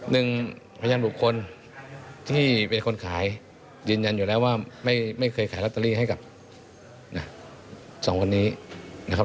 พยานบุคคลที่เป็นคนขายยืนยันอยู่แล้วว่าไม่เคยขายลอตเตอรี่ให้กับสองคนนี้นะครับ